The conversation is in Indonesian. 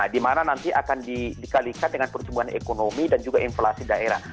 di mana nanti akan dikalikan dengan pertumbuhan ekonomi dan juga inflasi daerah